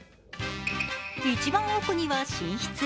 一番奥には、寝室。